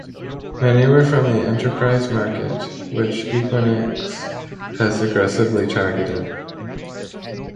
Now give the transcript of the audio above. Many were from the enterprise market, which Equinix has aggressively targeted.